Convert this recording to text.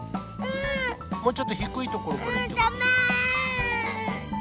もうちょっと低いところから。